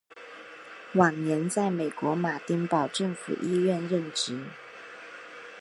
晚年在美国马丁堡政府医院任职。